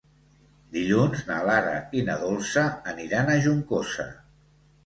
Dilluns na Lara i na Dolça aniran a Juncosa.